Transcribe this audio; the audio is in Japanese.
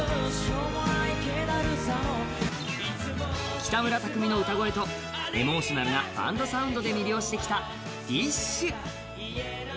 北村匠海の歌声とエモーショナルなバンドサウンドで魅了してきたＤＩＳＨ／／。